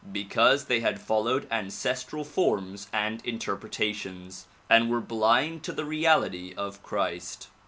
Because they had followed ancestral forms and interpretations and were blind to the reality of Christ.